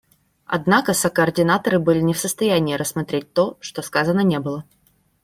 Однако сокоординаторы были не в состоянии рассмотреть то, что сказано не было.